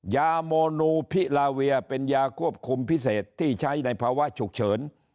ยาโมนูพิลาเวียเป็นยาควบคุมพิเศษที่ใช้ในภาวะฉุกเฉิน